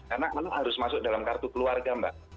karena anak harus masuk dalam kartu keluarga mbak